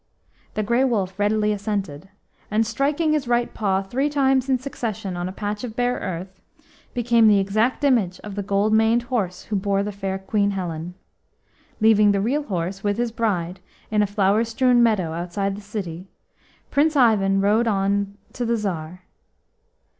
The Grey Wolf readily assented, and striking his right paw three times in succession on a patch of bare earth, became the exact image of the gold maned horse who bore the fair Queen Helen. Leaving the real horse with his bride in a flower strewn meadow outside the city, Prince Ivan rode on to the Tsar.